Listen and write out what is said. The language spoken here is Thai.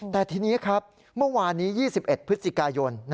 แต่ทีนี้ครับเมื่อวานนี้๒๑พฤศจิกายน